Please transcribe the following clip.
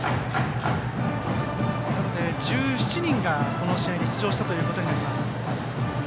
なので、１７人がこの試合に出場したことになります。